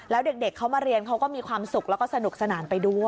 แล้วเด็กเขามาเรียนเขาก็มีความสุขแล้วก็สนุกสนานไปด้วย